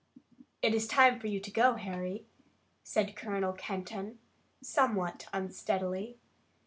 "It is time for you to go, Harry," said Colonel Kenton, somewhat unsteadily.